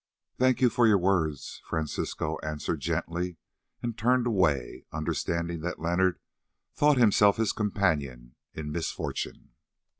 "Thank you for your words," Francisco answered gently, and turned away, understanding that Leonard thought himself his companion in misfortune.